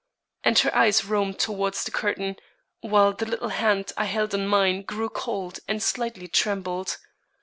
And her eyes roamed toward the curtain, while the little hand I held in mine grew cold and slightly trembled.